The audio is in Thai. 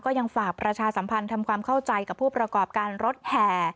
ยังฝากประชาสัมพันธ์ทำความเข้าใจกับผู้ประกอบการรถแห่